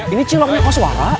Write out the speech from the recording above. ini ciloknya kau suara